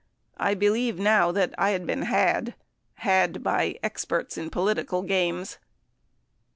... I believe, now, that I'd been 'had' — had by experts in political games.